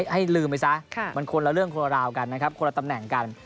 ให้ลืมไปซะมันคนละเรื่องคนละราวกันนะครับคนละตำแหน่งกัน